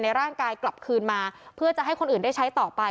ร่างกายกลับคืนมาเพื่อจะให้คนอื่นได้ใช้ต่อไป